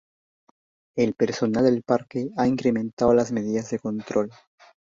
El personal del parque ha incrementado las medidas de control.